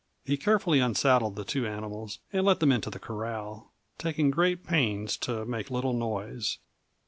He carefully unsaddled the two animals and let them into the corral, taking great pains to make little noise.